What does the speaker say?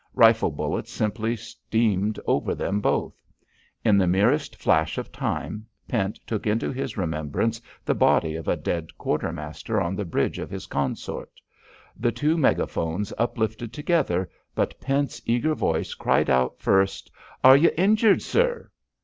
Rifle bullets simply steamed over them both. In the merest flash of time, Pent took into his remembrance the body of a dead quartermaster on the bridge of his consort. The two megaphones uplifted together, but Pent's eager voice cried out first. "Are you injured, sir?"